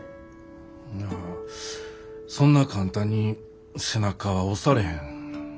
そんな簡単に背中は押されへん。